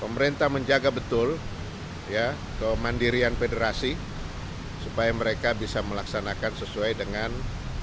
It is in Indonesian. pemerintah menjaga betul kemandirian federasi supaya mereka bisa melaksanakan sesuai dengan